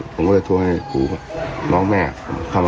ผมก็ไม่แน่ใจครับ